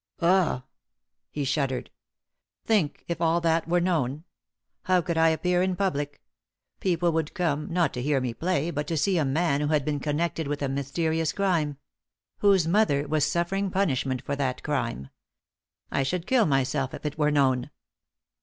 Ugh!" He shuddered. "Think, if all that were known! How could I appear in public? People would come, not to hear me play, but to see a man who had been connected with a mysterious crime whose mother was suffering punishment for that crime! I should kill myself if it were known."